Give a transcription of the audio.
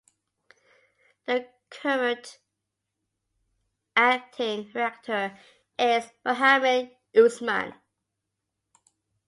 The current acting Rector is Mohammed Usman.